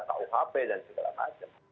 kuhp dan segala macam